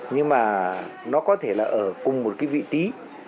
nhưng mà nó có thể là ở cùng một cái vị trí